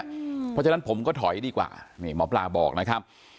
เพราะฉะนั้นผมก็ถอยดีกว่านี่หมอปลาบอกนะครับ